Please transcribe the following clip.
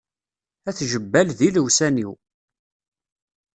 At Jebbal d ilewsan-iw.